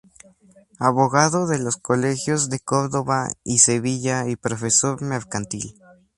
Abogado de los Colegios de Córdoba y Sevilla, y Profesor Mercantil.